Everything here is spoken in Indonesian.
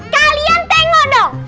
kalian tengok dong